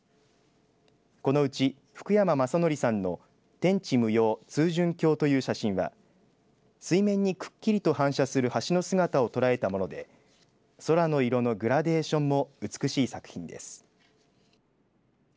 このうち福山公文さんの天地無用、通潤橋という写真は水面にくっきりと反射する橋の姿を捉えたもので空の色のグラデーションも美しい作品です。